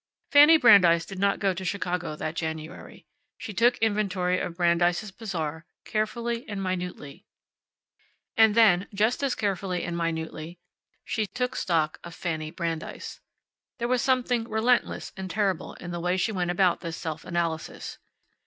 Fanny Brandeis did not go to Chicago that January. She took inventory of Brandeis' Bazaar, carefully and minutely. And then, just as carefully and minutely she took stock of Fanny Brandeis. There was something relentless and terrible in the way she went about this self analysis.